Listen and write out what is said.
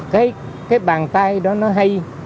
cái bàn tay đó nó hay